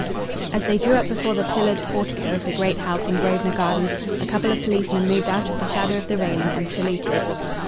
As they drew up before the pillared portico of the great house in Grosvenor Gardens a couple of policemen moved out of the shadow of the railing and saluted.